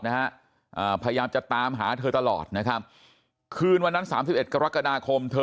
นะฮะอ่าพยายามจะตามหาเธอตลอดนะครับคืนวันนั้น๓๑กรกฎาคมเธอ